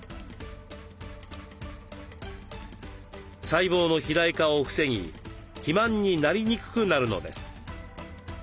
細胞の肥大化を防ぎ肥満になりにくくなるのです。